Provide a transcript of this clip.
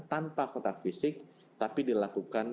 tanpa kontak fisik tapi dilakukan